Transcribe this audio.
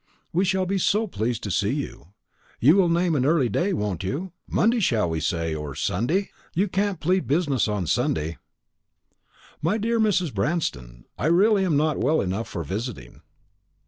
We shall be so pleased to see you; you will name an early day, won't you? Monday shall we say, or Sunday? You can't plead business on Sunday." "My dear Mrs. Branston, I really am not well enough for visiting."